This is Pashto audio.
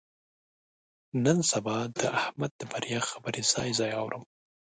نن سبا د احمد د بریا خبرې ځای ځای اورم.